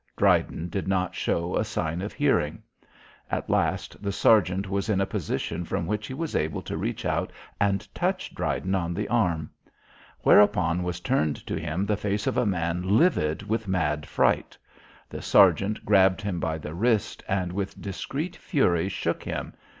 Dryden did not show a sign of hearing. At last, the sergeant was in a position from which he was able to reach out and touch Dryden on the arm. Whereupon was turned to him the face of a man livid with mad fright. The sergeant grabbed him by the wrist and with discreet fury shook him.